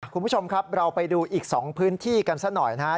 คุณผู้ชมครับเราไปดูอีก๒พื้นที่กันซะหน่อยนะครับ